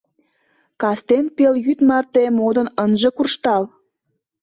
Кастен пелйӱд марте модын ынже куржтал!